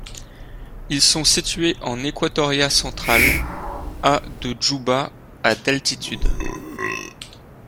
Ils sont situés en Équatoria-Central, à de Djouba à d'altitude.